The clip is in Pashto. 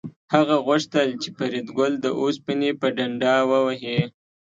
هغه غوښتل چې فریدګل د اوسپنې په ډنډه ووهي